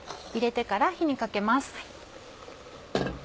入れてから火にかけます。